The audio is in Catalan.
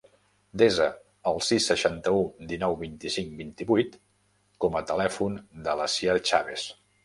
Desa el sis, seixanta-u, dinou, vint-i-cinc, vint-i-vuit com a telèfon de l'Asier Chaves.